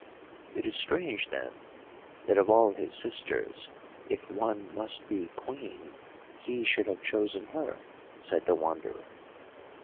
"It is strange, then, that of all his sisters, if one must be Queen, he should have chosen her," said the Wanderer.